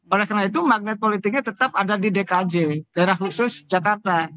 oleh karena itu magnet politiknya tetap ada di dkj daerah khusus jakarta